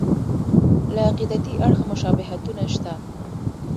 له عقیدتي اړخه مشابهتونه شته.